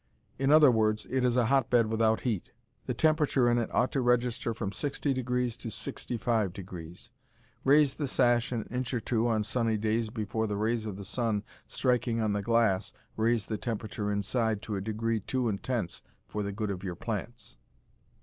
In other words, it is a hotbed without heat. The temperature in it ought to register from 60° to 65°. Raise the sash an inch or two on sunny days before the rays of the sun striking on the glass raise the temperature inside to a degree too intense for the good of your plants.